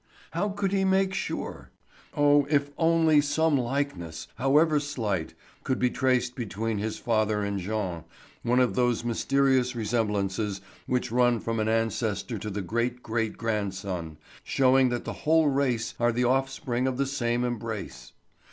How could he make sure? Oh, if only some likeness, however slight, could be traced between his father and Jean, one of those mysterious resemblances which run from an ancestor to the great great grandson, showing that the whole race are the offspring of the same embrace.